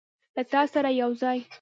له تا سره یوځای